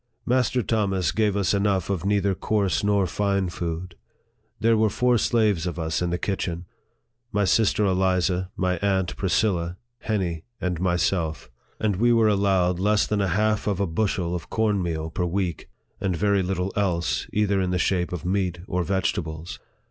Master Thomas gave us enough of neither coarse nor fine food. There were four slaves of us in the kitchen my sister Eliza, my aunt Priscilla, Henny, and myself; and we were allowed less than a half of a bushel of corn meal per week, and very little else, either in the shape of meat or vegetables.